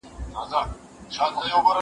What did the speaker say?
زه پرون کتاب وليکم؟